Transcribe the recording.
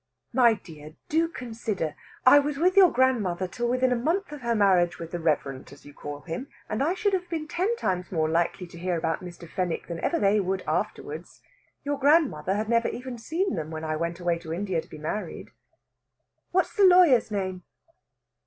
"My dear, do consider! I was with your grandmother till within a month of her marriage with the Reverend, as you call him, and I should have been ten times more likely to hear about Mr. Fenwick than ever they would afterwards. Your grandmother had never even seen them when I went away to India to be married." "What's the lawyer's name?"